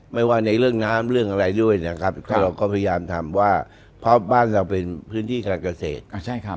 ไม่ว่าในเรื่องน้ำเรื่องอะไรด้วยนะครับก็เราก็พยายามทำว่าเพราะบ้านเราเป็นพื้นที่การเกษตร